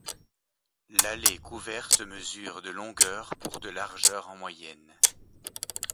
L'allée couverte mesure de longueur pour de largeur en moyenne.